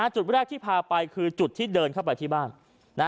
จุดแรกที่พาไปคือจุดที่เดินเข้าไปที่บ้าน